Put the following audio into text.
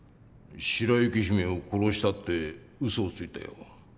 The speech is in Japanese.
「白雪姫を殺した」ってうそをついたよ。